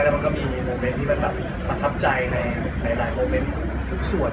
มันก็มีโมเมนต์ที่มันแบบประทับใจในหลายโมเมนต์ทุกส่วน